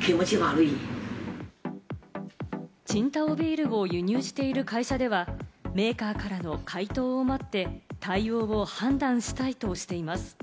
青島ビールを輸入している会社では、メーカーからの回答を待って対応を判断したいとしています。